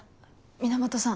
源さん